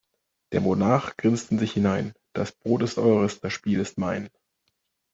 Der Monarch grinst in sich hinein: Das Brot ist eures, das Spiel ist mein.